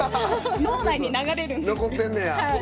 脳内に流れるんです。